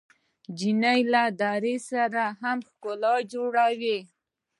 نجلۍ له درده هم ښکلا جوړوي.